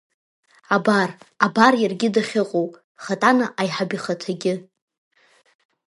Абар, абар, иаргьы дахьыҟоу, Хатана аиҳаб ихаҭагьы…